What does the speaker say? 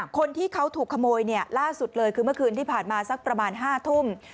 คนที่เขาถูกขโมยล่าสุดเลยคือเมื่อคืนที่ผ่านมาสักประมาณ๕ทุ่ม